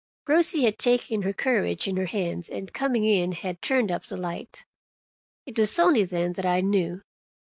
Rosie had taken her courage in her hands, and coming in had turned up the light. It was only then that I knew.